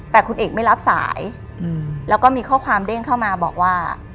แต่คุณเอกไม่รับสายแล้วก็มีข้อความเด้งเข้ามาบอกว่า